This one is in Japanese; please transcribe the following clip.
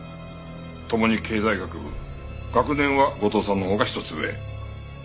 共に経済学部学年は後藤さんのほうが一つ上。